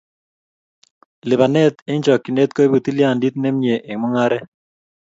Lipanet eng chokchinet koibu tilyandit ne mie eng mungaret